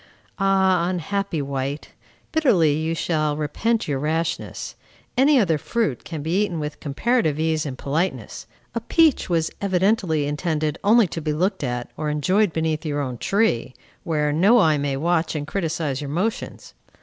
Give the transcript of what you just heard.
Ah, unhappy wight! Bitterly you shall repent your rashness. Any other fruit can be eaten with comparative ease and politeness; a peach was evidently intended only to be looked at, or enjoyed beneath your own tree, where no eye may watch and criticize your motions.